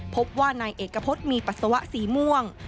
พบว่านายเอกพฤษมีปัสสาวะสีม่วง